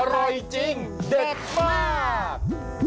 อร่อยจริงเด็ดมาก